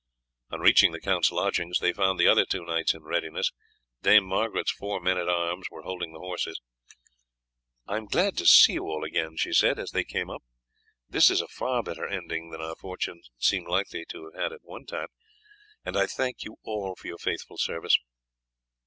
On reaching the count's lodgings they found the other two knights in readiness. Dame Margaret's four men at arms were holding the horses. "I am glad to see you all again," she said as she came up. "This is a far better ending than our fortunes seemed likely to have at one time, and I thank you all for your faithful service."